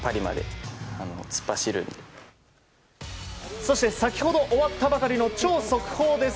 そして先ほど終わったばかりの超速報です。